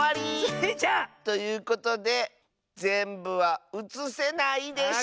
スイちゃん！ということでぜんぶはうつせないでした！